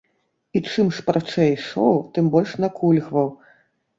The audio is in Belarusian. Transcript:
І чым шпарчэй ішоў, тым больш накульгваў.